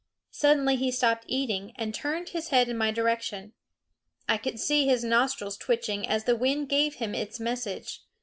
Suddenly he stopped eating and turned his head in my direction. I could see his nostrils twitching as the wind gave him its message.